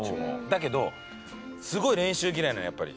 だけどすごい練習嫌いなのやっぱり。